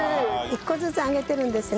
１個ずつ揚げてるんですね。